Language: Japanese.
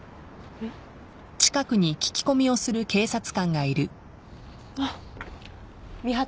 えっ？